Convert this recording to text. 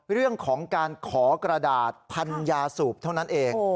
เรื่องของการขอกระดาษพันยาสูบเท่านั้นเอง